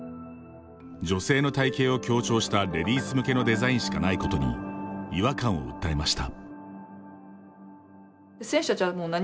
女性の体型を強調したレディース向けのデザインしかないことに違和感を訴えました。